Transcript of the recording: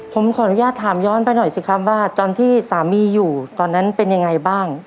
ผมขออนุญาตถามย้อนไปหน่อยสิครับว่าตอนที่สามีอยู่ตอนนั้นเป็นยังไงบ้าง